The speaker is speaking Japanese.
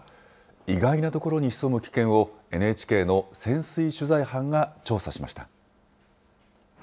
意外なところに潜む危険を、ＮＨＫの潜水取材班が調査しました。